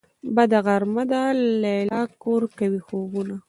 بده غرمه ده ليلا کور کوي خوبونه